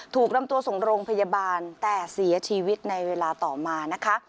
ถูกนำตัวส่งโรงพยาบาลแต่เสียชีวิตในเวลาต่อมานะคะ